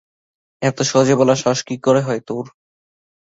এত সহজে বলার সাহস কী করে হয় তোর?